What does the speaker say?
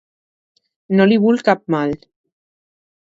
No li vull cap mal.